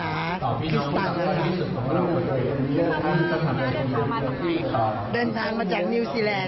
ด้านทางมาจากนิวซีแรนค่ะ